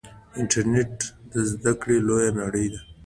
انټرنیټ د زده کړې لویه نړۍ ده.